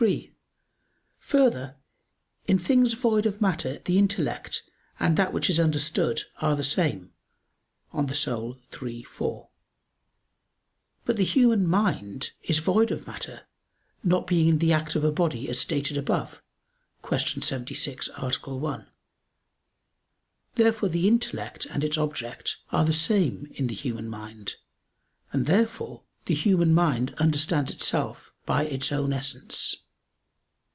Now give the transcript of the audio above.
3: Further, "in things void of matter, the intellect and that which is understood are the same" (De Anima iii, 4). But the human mind is void of matter, not being the act of a body as stated above (Q. 76, A. 1). Therefore the intellect and its object are the same in the human mind; and therefore the human mind understands itself by its own essence.